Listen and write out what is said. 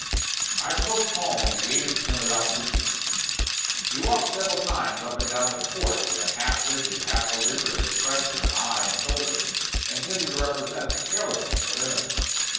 I smoked calmly and gazed at him without speaking. He walked several times up and down the court with a half rigid, half belligerent expression of eye and shoulder, intended to represent the carelessness of innocence.